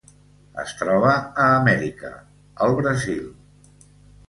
Es troba a Amèrica: el Brasil.